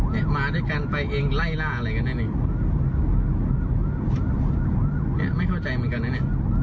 โหยิงกัน